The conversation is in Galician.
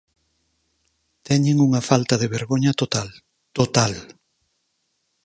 Teñen unha falta de vergoña total, ¡total!